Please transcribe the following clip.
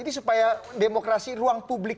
ini supaya demokrasi ruang publik